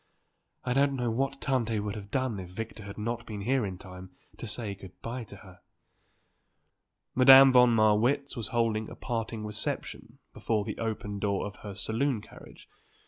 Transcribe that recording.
"I don't know what Tante would have done if Victor had not been here in time to say good bye to her." Madame von Marwitz was holding a parting reception before the open door of her saloon carriage.